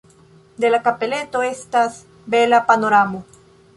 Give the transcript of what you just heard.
De la kapeleto estas bela panoramo.